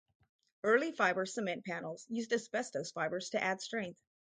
Early fiber cement panels used asbestos fibers to add strength.